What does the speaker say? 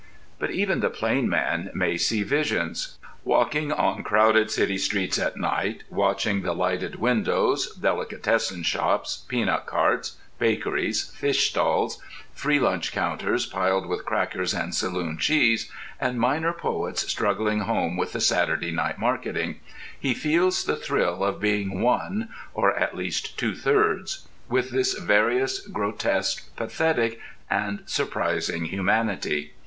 But even the plain man may see visions. Walking on crowded city streets at night, watching the lighted windows, delicatessen shops, peanut carts, bakeries, fish stalls, free lunch counters piled with crackers and saloon cheese, and minor poets struggling home with the Saturday night marketing—he feels the thrill of being one, or at least two thirds, with this various, grotesque, pathetic, and surprising humanity.